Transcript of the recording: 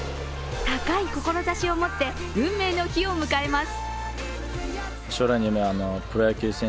高い志を持って運命の日を迎えます。